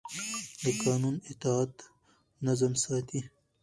د قانون اطاعت نظم ساتي